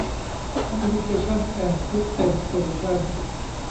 คอมมิวนิเคชั่น แอนด์ ซิสเต็มส์ โซลูชั่น